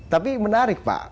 tapi menarik pak